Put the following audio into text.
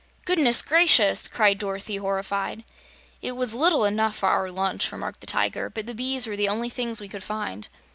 "Goodness gracious!" cried Dorothy horrified. "It was little enough for our lunch," remarked the Tiger, "but the bees were the only things we could find."